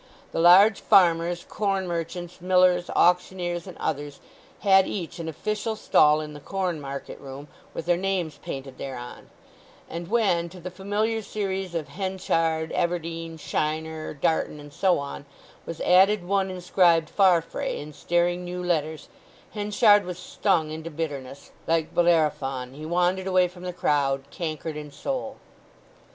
The large farmers, corn merchants, millers, auctioneers, and others had each an official stall in the corn market room, with their names painted thereon; and when to the familiar series of "Henchard," "Everdene," "Shiner," "Darton," and so on, was added one inscribed "Farfrae," in staring new letters, Henchard was stung into bitterness; like Bellerophon, he wandered away from the crowd, cankered in soul.